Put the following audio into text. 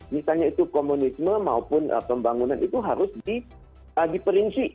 misalnya itu komunisme maupun pembangunan itu harus diperinsi